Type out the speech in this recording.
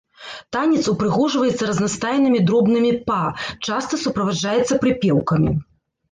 Танец упрыгожваецца разнастайнымі дробнымі па, часта суправаджаецца прыпеўкамі.